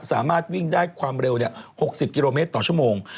สามารถวิ่งได้ความเร็ว๖๐กิโลเมตรต่อชั่วโมง